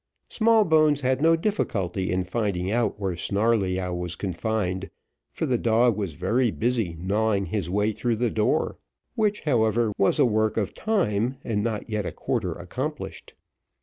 Smallbones had no difficulty in finding out where Snarleyyow was confined, for the dog was very busy gnawing his way through the door, which, however, was a work of time, and not yet a quarter accomplished.